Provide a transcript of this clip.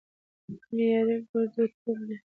معياري ګړدود کوم دي؟